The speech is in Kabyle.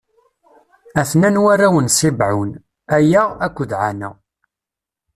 A-ten-an warraw n Ṣibɛun: Aya akked Ɛana.